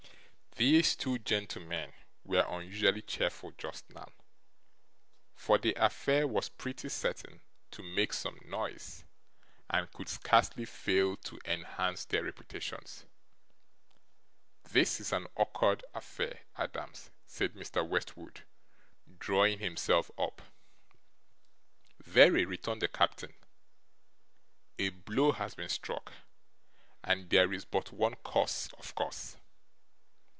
These two gentlemen were unusually cheerful just now; for the affair was pretty certain to make some noise, and could scarcely fail to enhance their reputations. 'This is an awkward affair, Adams,' said Mr. Westwood, drawing himself up. 'Very,' returned the captain; 'a blow has been struck, and there is but one course, OF course.